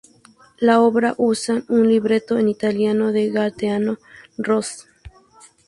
La obra usa un libreto en italiano de Gaetano Rossi.